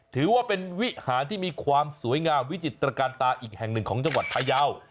ถือว่าเป็นวิหารที่มีความสวยงามวิจิตรการตาอีกแห่งหนึ่งของจังหวัดพายาว